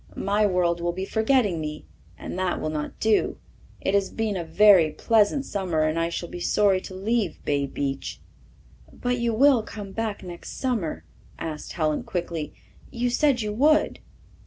My world will be forgetting me and that will not do. It has been a very pleasant summer and I shall be sorry to leave Bay Beach." "But you will come back next summer?" asked Helen quickly. "You said you would."